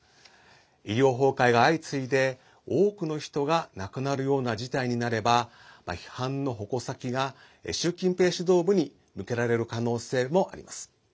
医療崩壊が相次いで、多くの人が亡くなるような事態になれば批判の矛先が習近平指導部に向けられる可能性もあります。